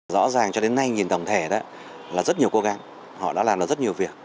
rõ ràng cho đến nay nhìn tổng thể là rất nhiều cố gắng họ đã làm được rất nhiều việc